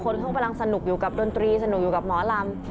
คนเขากำลังสนุกอยู่กับดนตรีสนุกอยู่กับหมอลำ